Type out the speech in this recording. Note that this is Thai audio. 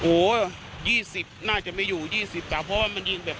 โอ้ยี่สิบน่าจะไม่อยู่ยี่สิบแต่ว่ามันยิ่งแบบ